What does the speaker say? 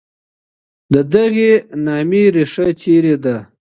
د دغي نامې ریښه چېري ده؟